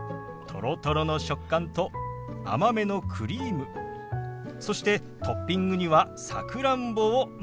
とろとろの食感と甘めのクリームそしてトッピングにはさくらんぼをのせてみました。